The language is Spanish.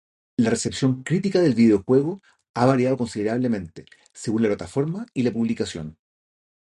La recepción crítica del videojuego ha variado considerablemente, según la plataforma y la publicación.